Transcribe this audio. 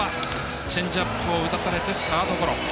チェンジアップを打たされてサードゴロ。